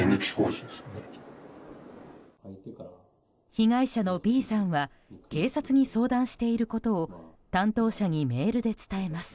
被害者のＢさんは警察に相談していることを担当者にメールで伝えます。